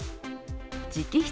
直筆